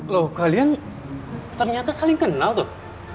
loh kalian ternyata saling kenal tuh